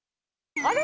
あれ？